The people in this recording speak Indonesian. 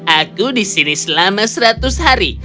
aku di sini selama seratus hari